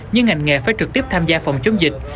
nhưng ngành nghề phải trực tiếp tham gia phòng chống dịch